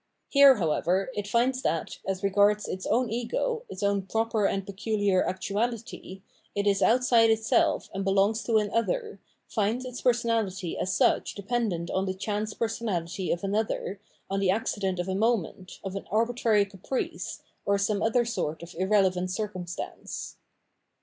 Here, however, it finds that, as regards its own ego, its own proper and 521 Culture and its Sphere of Reality peculiar actuality, it is outside itself and belongs to an other, finds its personality as such dependent on the chance personahty of another, on the accident of a moment, of an arbitrary caprice, or some other sort of irrelevant circumstance.